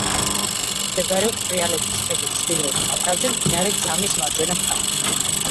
მდებარეობს თრიალეთის ქედის ჩრდილოეთ კალთაზე, მდინარე ძამის მარჯვენა მხარეს.